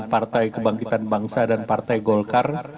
partai kebangkitan bangsa dan partai golkar